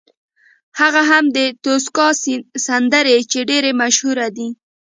هغه هم د توسکا سندرې چې ډېرې مشهورې دي.